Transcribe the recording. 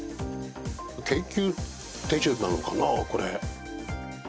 研究手順なのかなあこれ。